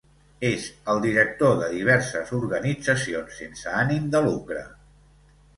És el director de diverses organitzacions sense ànim de lucre.